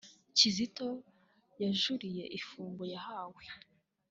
Kizito yajuririye igifungo yahawe